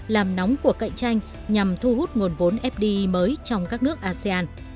làm nóng cuộc cạnh tranh nhằm thu hút nguồn vốn fdi mới trong các nước asean